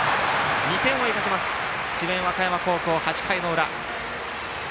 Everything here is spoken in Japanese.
２点を追いかける智弁和歌山高校８回の裏。